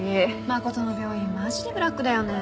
真都の病院マジでブラックだよね。